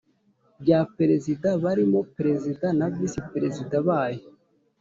rya Perezida barimo Perezida na VisiPerezida bayo